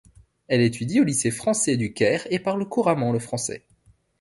Elle étudie au lycée français du Caire et parle couramment le français.